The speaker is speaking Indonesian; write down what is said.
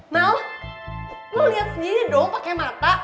mal lo liat sendiri dong pake mata